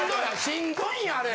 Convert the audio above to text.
しんどいんやあれ。